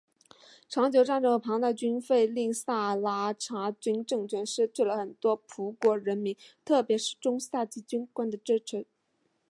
长久的战争和庞大的军费令萨拉查军政权失去了很多葡国人民特别是中下级军官的支持。